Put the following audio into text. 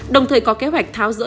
đồng thời có kế hoạch tháo rỡ